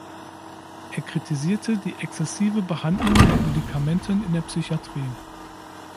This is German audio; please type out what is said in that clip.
Er kritisierte die exzessive Behandlung mit Medikamenten in der Psychiatrie.